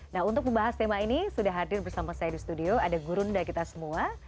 nah untuk membahas tema ini sudah hadir bersama saya di studio ada gurunda kita semua